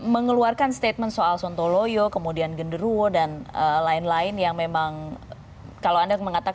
mengeluarkan statement soal sontoloyo kemudian genruo dan lain lain yang memang